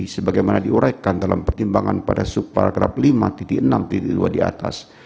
sebagaimana diuraikan dalam pertimbangan pada subparagraf lima enam dua diatas